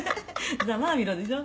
“ざまあみろ”でしょ？」